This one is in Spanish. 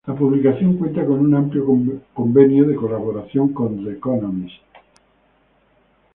La publicación cuenta con un amplio convenio de colaboración con The Economist.